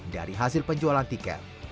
dari hasil penjualan tiket